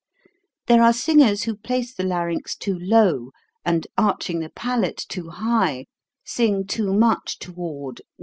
There are singers who place the larynx too low, and, arching the palate too high, sing too much toward 6b.